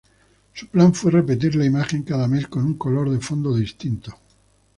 Su plan fue repetir la imagen cada mes con un color de fondo distinto.